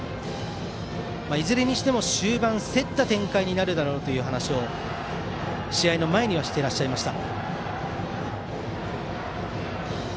いずれにしても、終盤競った展開になるだろうと試合の前には話をしていらっしゃいました。